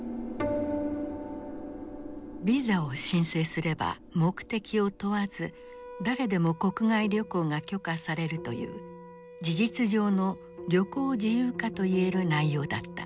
ビザを申請すれば目的を問わず誰でも国外旅行が許可されるという事実上の旅行自由化といえる内容だった。